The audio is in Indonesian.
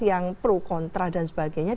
yang pro kontra dan sebagainya